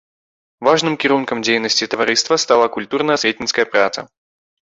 Важным кірункам дзейнасці таварыства стала культурна-асветніцкая праца.